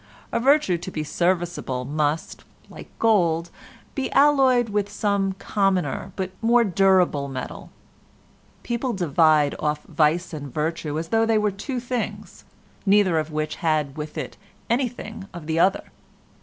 A virtue to be serviceable must, like gold, be alloyed with some commoner but more durable metal. People divide off vice and virtue as though they were two things, neither of which had with it anything of the other.